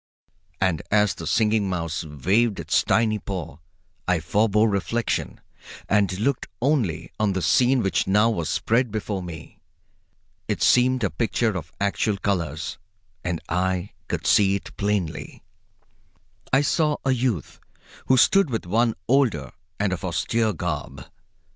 And as the Singing Mouse waved its tiny paw I forbore reflection and looked only on the scene which now was spread before me. It seemed a picture of actual colors, and I could see it plainly. I saw a youth who stood with one older and of austere garb.